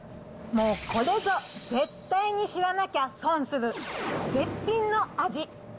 もう、これぞ絶対に知らなきゃ損する絶品の味。